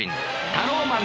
タローマン！